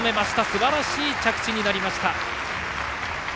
すばらしい着地になりました。